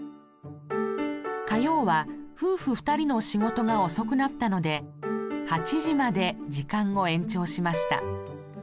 火曜は夫婦２人の仕事が遅くなったので８時まで時間を延長しました。